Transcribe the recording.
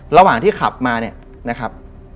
ระหว่างที่ขับมาเนี่ยนะครับ